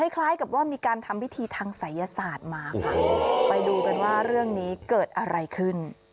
คล้ายกับว่ามีการทำพิธีทางศัยศาสตร์มาค่ะไปดูกันว่าเรื่องนี้เกิดอะไรขึ้น